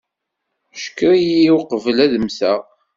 Cekker-iyi uqbel ad mmteɣ.